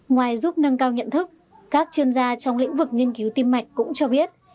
ngoài giúp nâng cao nhận thức các chuyên gia trong lĩnh vực nghiên cứu tim mạch cũng cho biết